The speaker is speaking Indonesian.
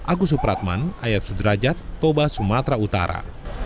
agus supratman ayat sudrajat toba sumatera utara